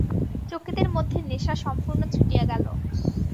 চকিতের মধ্যে নেশা সম্পূর্ণ ছুটিয়া গেল।